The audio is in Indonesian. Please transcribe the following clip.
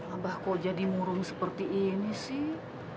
abah kok jadi murung seperti ini sih